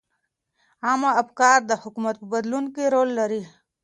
عامه افکار د حکومت په بدلون کې رول لري.